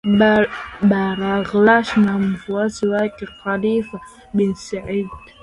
Baraghash na mfuasi wake Khalifa bin said